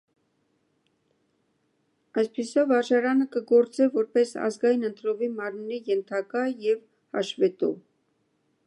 Այսպիսով վարժարանը կը գործէ որպէս ազգային ընտրովի մարմնի ենթակայ եւ հաշուետու։